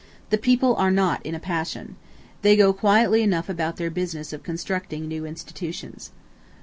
The people are not in a passion. They go quietly enough about their business of constructing new institutions.